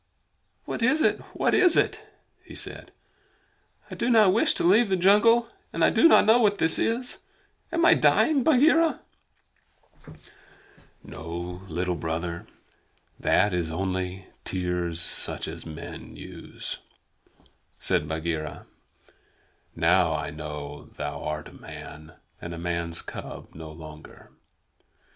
"What is it? What is it?" he said. "I do not wish to leave the jungle, and I do not know what this is. Am I dying, Bagheera?" "No, Little Brother. That is only tears such as men use," said Bagheera. "Now I know thou art a man, and a man's cub no longer.